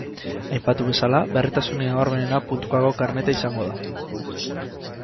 Aipatu bezala, berritasunik nabarmenena puntukako karneta izango da.